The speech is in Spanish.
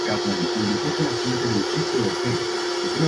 El agente fue designado hijo adoptivo de Roses a título póstumo.